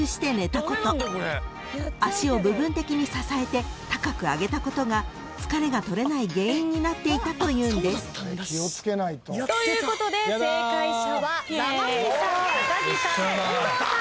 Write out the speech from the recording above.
［足を部分的に支えて高く上げたことが疲れが取れない原因になっていたというんです］ということで正解者はザ・マミィさん木さん近藤さんです。